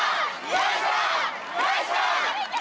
よいしょ！